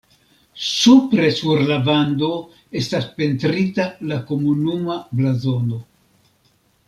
Supre sur la vando estas pentrita la komunuma blazono.